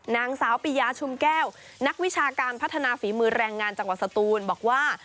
นางสาวปิยาชุมแก้วนักวิชาการพัฒนาฝีมือแรงงานจังหวัดสตูนบอกว่า